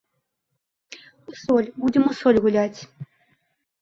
У соль, будзем у соль гуляць!